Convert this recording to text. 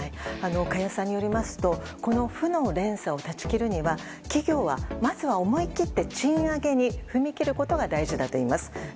加谷さんによりますとこの負の連鎖を断ち切るには企業は、まずは思い切って賃上げに踏み切ることが大事だといいます。